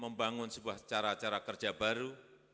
membangun sebuah cara cara kerja baru